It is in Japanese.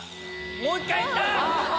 もう１回行った！